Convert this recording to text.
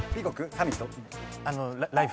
サミット？